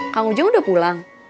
kang ujang udah pulang